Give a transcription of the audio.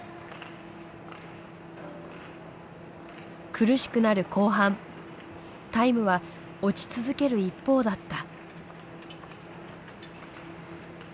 苦しくなる後半タイムは落ち続ける一方だった。